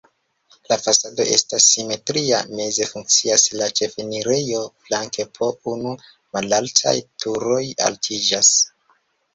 La fasado estas simetria, meze funkcias la ĉefenirejo, flanke po unu malaltaj turoj altiĝas.